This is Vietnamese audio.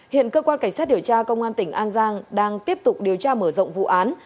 hiện cơ quan cảnh sát điều tra công an tỉnh an giang đang tiếp tục điều tra mở rộng vụ án